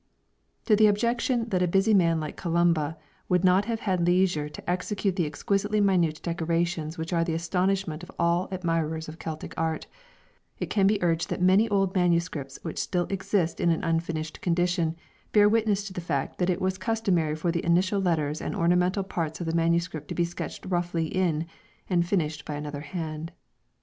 To the objection that a busy man like Columba would not have had leisure to execute the exquisitely minute decorations which are the astonishment of all admirers of Celtic art, it can be urged that many old manuscripts which still exist in an unfinished condition bear witness to the fact that it was customary for the initial letters and ornamental parts of the manuscript to be sketched roughly in, and finished by another hand.